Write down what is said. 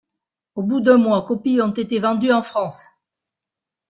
Au bout d'un mois, copies ont été vendues en France.